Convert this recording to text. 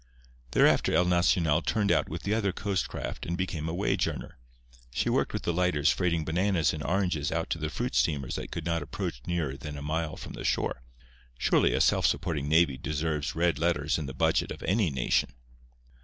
Thereafter El Nacional turned out with the other coast craft and became a wage earner. She worked with the lighters freighting bananas and oranges out to the fruit steamers that could not approach nearer than a mile from the shore. Surely a self supporting navy deserves red letters in the budget of any nation.